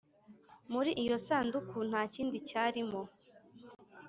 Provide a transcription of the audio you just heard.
Muri iyo sanduku nta kindi cyarimo